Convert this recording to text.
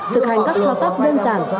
thực hành các thao tác đơn giản